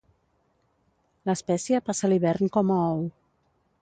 L'espècie passa l'hivern com a ou.